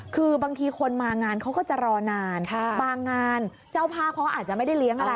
คือบางทีคนมางานเขาก็จะรอนานบางงานเจ้าภาพเขาอาจจะไม่ได้เลี้ยงอะไร